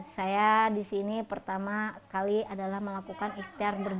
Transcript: saya di sini pertama kali adalah melakukan ikhtiar berbagi